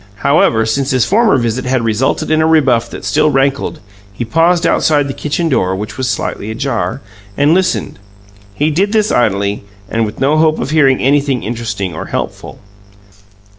However, since his former visit had resulted in a rebuff that still rankled, he paused outside the kitchen door, which was slightly ajar, and listened. He did this idly, and with no hope of hearing anything interesting or helpful.